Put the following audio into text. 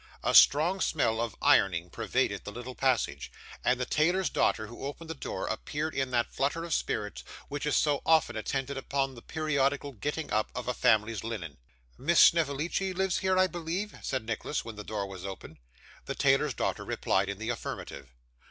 A strong smell of ironing pervaded the little passage; and the tailor's daughter, who opened the door, appeared in that flutter of spirits which is so often attendant upon the periodical getting up of a family's linen. 'Miss Snevellicci lives here, I believe?' said Nicholas, when the door was opened. The tailor's daughter replied in the affirmative.